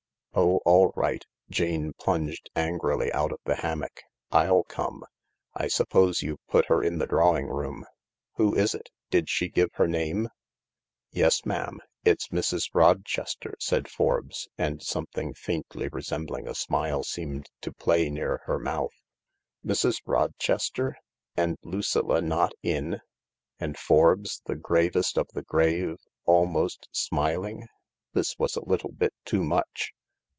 " Oh, all right." Jane plunged angrily out of the hammock. " I'll come. I suppose you've put her in the drawing room ? Who is it ? Did she give her name ?"" Yes, ma'am ; its Mrs. Rochester," said Forbes, and something faintly resembling a smile seemed to play near her mouth. Mrs. Rochester I And Lucilla not in I And Forbes, the gravest of the grave, almost smiling I This was a little bit too much.